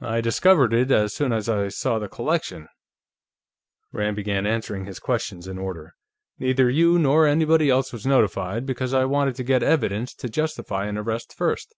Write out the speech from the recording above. "I discovered it as soon as I saw the collection," Rand began answering his questions in order. "Neither you, nor anybody else was notified, because I wanted to get evidence to justify an arrest first.